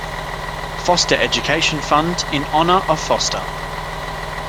Foster Education Fund in honor of Foster.